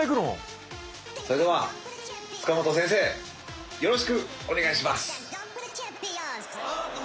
それでは塚本先生よろしくお願いします。